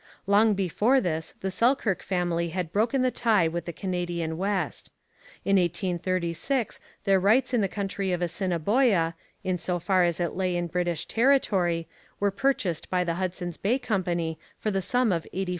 Long before this the Selkirk family had broken the tie with the Canadian West. In 1836 their rights in the country of Assiniboia, in so far as it lay in British territory, were purchased by the Hudson's Bay Company for the sum of £84,000.